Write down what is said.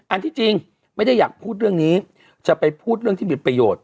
อันที่จริงไม่ได้อยากพูดเรื่องนี้จะไปพูดเรื่องที่มีประโยชน์